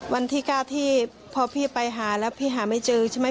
วันที่๙ที่พอพี่ไปหาแล้วพี่หาไม่เจอใช่ไหม